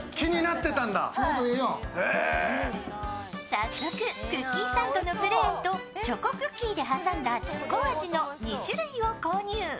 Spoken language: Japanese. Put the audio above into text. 早速、クッキーサンドのプレーンとチョコクッキーで挟んだチョコ味の２種類を購入。